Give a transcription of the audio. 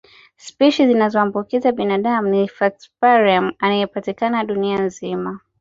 Spishi zinazoambukiza binadamu ni falciparum anayepatikana dunia nzima